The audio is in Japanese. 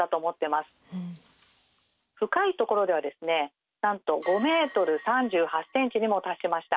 で深いところではなんと５メートル３８センチにも達しました。